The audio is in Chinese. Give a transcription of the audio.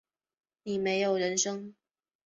你没有人生